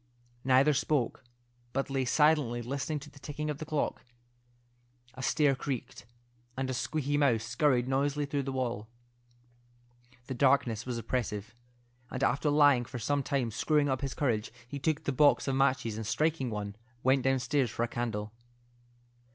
Neither spoke, but lay silently listening to the ticking of the clock. A stair creaked, and a squeaky mouse scurried noisily through the wall. The darkness was oppressive, and after lying for some time screwing up his courage, he took the box of matches, and striking one, went downstairs for a candle.